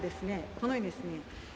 このようにですね